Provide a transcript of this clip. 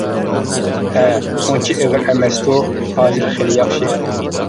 -ھە. ئۇنچە ئېغىر ئەمەستۇ؟ -ھازىر خېلى ياخشى.